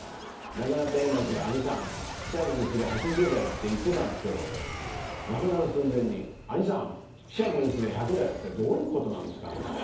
亡くなった円楽が「兄さん四捨五入すりゃ８０だよ」って言ってたんですけど亡くなる寸前に「兄さん四捨五入すりゃ１００だよ」ってどういうことなんですか？